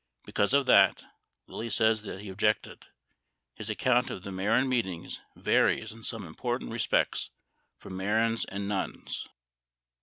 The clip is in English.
Because of that, Lilly says that he. objected. His account of the Mehren meetings varies in some, important respects from Mehren 's and Nunn's.